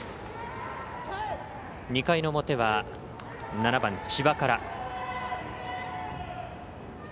２回の表は７番、千葉から。